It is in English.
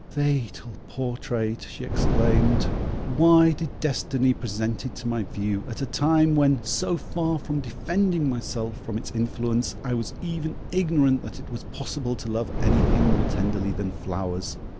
Fatal portrait!" she exclaimed; "why did destiny present it to my view at a time when, so far from defending myself from its influence, I was even ignorant that it was possible to love anything more tenderly than flowers."